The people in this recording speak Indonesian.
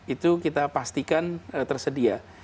itu kita pastikan tersedia